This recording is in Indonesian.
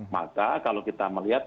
maka kalau kita melihat